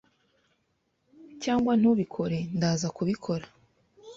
Cyangwa ntubikore ndaza kubikora